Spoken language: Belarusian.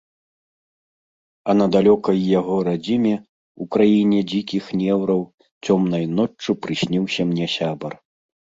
А на далёкай яго радзіме, у краіне дзікіх неўраў, цёмнай ноччу прысніўся мне сябар.